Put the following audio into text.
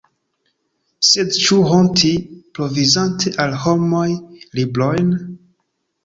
Sed ĉu honti, provizante al homoj librojn?